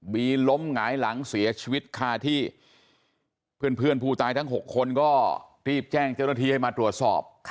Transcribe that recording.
ล้มหงายหลังเสียชีวิตคาที่เพื่อนผู้ตายทั้ง๖คนก็รีบแจ้งเจ้าหน้าที่ให้มาตรวจสอบ